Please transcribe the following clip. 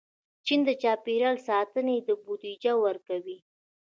چین د چاپېریال ساتنې ته بودیجه ورکوي.